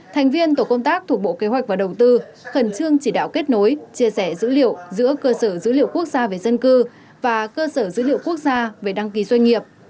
thành viên tổ công tác thuộc bộ kế hoạch và đầu tư khẩn trương chỉ đạo kết nối chia sẻ dữ liệu giữa cơ sở dữ liệu quốc gia về dân cư và cơ sở dữ liệu quốc gia về đăng ký doanh nghiệp